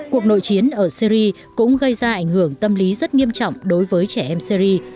cuộc nội chiến ở syri cũng gây ra ảnh hưởng tâm lý rất nghiêm trọng đối với trẻ em syri